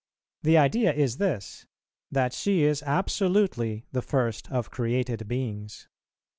The idea is this, that she is absolutely the first of created beings.